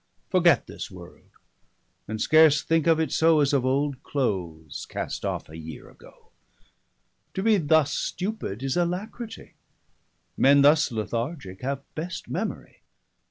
60 Forget this world, and scarce thinke of it so, As of old clothes, cast off a yeare agoe. To be thus stupid is Alacritie; Men thus Lethargique have best Memory.